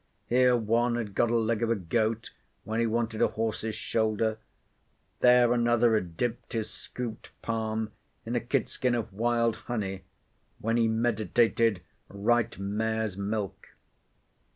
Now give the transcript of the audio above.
—here one had got a leg of a goat, when he wanted a horse's shoulder—there another had dipt his scooped palm in a kid skin of wild honey, when he meditated right mare's milk.